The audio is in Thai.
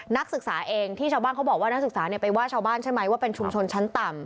นักศึกษาเองที่ชาวบ้านเขาบอกว่านักศึกษาไปว่าชาวบ้านใช่ไหมว่าเป็นชุมชนชั้นต่ำ